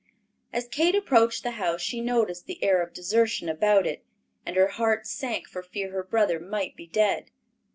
As Kate approached the house she noticed the air of desertion about it, and her heart sank for fear her brother might be dead.